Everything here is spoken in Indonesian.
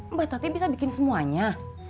mbah tati bisa bikin semuanya